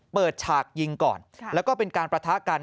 เปิดชากยิงก่อนและก็เป็นการประทะกัน